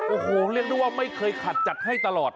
โอ้โหเรียกได้ว่าไม่เคยขัดจัดให้ตลอด